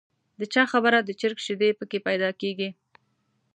د چا خبره د چرګ شیدې په کې پیدا کېږي.